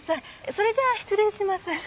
それじゃ失礼します。